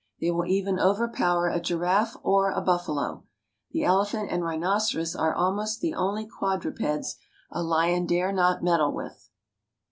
They will even overpower a giraffe or a buffalo. The elephant and rhinoceros are almost the only quadrupeds a lion dare not meddle with.